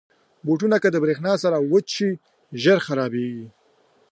بوټونه که د برېښنا سره وچه شي، ژر خرابېږي.